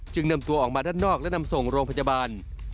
นำตัวออกมาด้านนอกและนำส่งโรงพยาบาล